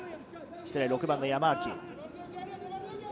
６番の山脇。